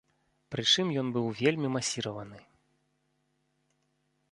Прычым ён быў вельмі масіраваны.